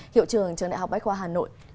hiệu trưởng trường đại học bách khoa hà nội